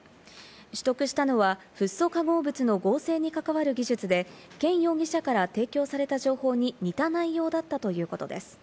取得したのはフッ素化合物の合成に関わる技術でケン容疑者から提供された情報に似た内容だったということです。